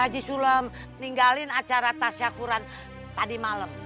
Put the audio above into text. haji sulam ninggalin acara tas syahkuran tadi malam